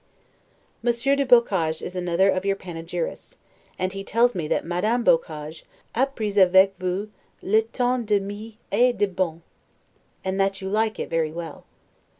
Monsieur du Boccage is another of your panegyrists; and he tells me that Madame Boccage 'a pris avec vous le ton de mie et de bonne'; and that you like it very well.